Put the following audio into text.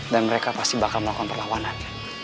dan mereka pasti bakal melakukan perlawanan